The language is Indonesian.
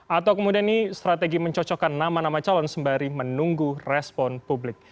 atau kemudian ini strategi mencocokkan nama nama calon sembari menunggu respon publik